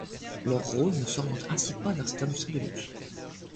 Leur rôle ne s’oriente ainsi pas vers cette industrie de luxe.